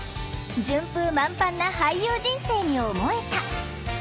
順風満帆な俳優人生に思えた。